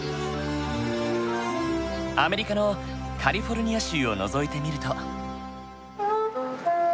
アメリカのカリフォルニア州をのぞいてみると。